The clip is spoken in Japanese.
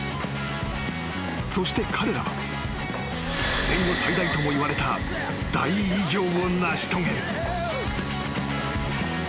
［そして彼らは戦後最大ともいわれた大偉業を成し遂げる］